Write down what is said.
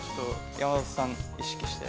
山里さん意識して。